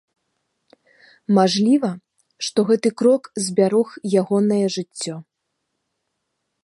Мажліва, што гэты крок збярог ягонае жыццё.